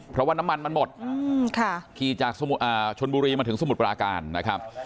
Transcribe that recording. เพราะว่าน้ำมันมันหมดขี่จากชนบุรีมาถึงสมุทรปราการนะครับ